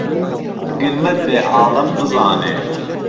گرمەت بێ عاڵەم بزانێ